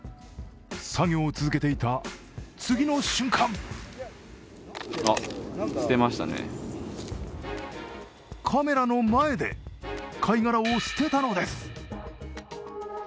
作業を続けていた次の瞬間カメラの前で貝殻を捨てたのです。